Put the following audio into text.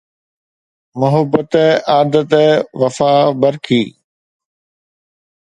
محبت عادت وفا برخي